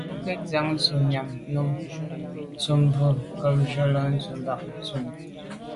Bo ke ntsian dù’ ze nyam num ntum bwe nkebnjù l’a ndù bag ntum nyam.